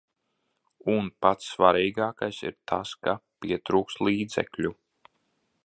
Un pats svarīgākais ir tas, ka pietrūkst līdzekļu.